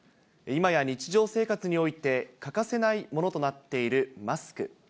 いまや日常生活において欠かせないものとなっているマスク。